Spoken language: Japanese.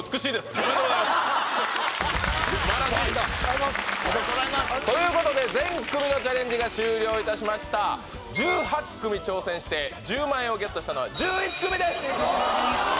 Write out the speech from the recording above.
ありがとうございますということで全組のチャレンジが終了いたしました１８組挑戦して１０万円をゲットしたのは１１組です！